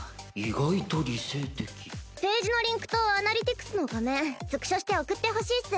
ページのリンクとアナリティクスの画面スクショして送ってほしいっス。